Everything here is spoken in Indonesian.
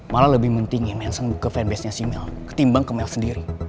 malah lebih pentingin manseng buka fanbase nya si mel ketimbang ke mel sendiri